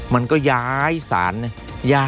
มันก็ย้ายสารเนี่ย